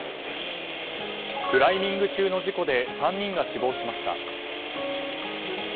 クライミング中の事故で３人が死亡しました。